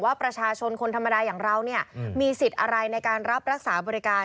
ประชาชนคนธรรมดาอย่างเรามีสิทธิ์อะไรในการรับรักษาบริการ